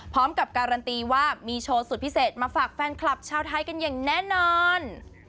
พร้อมกับการันตีว่ามีโชว์สุดพิเศษมาฝากแฟนคลับชาวไทยกันอย่างแน่นอน